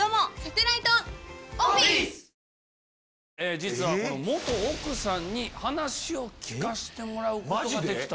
実は奥さんに話を聞かせてもらうことができたと。